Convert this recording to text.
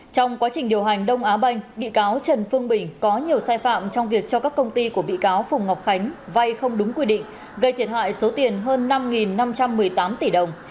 trong quá trình điều hành đông á banh bị cáo trần phương bình có nhiều sai phạm trong việc cho các công ty của bị cáo phùng ngọc khánh vay không đúng quy định gây thiệt hại số tiền hơn năm năm trăm một mươi tám tỷ đồng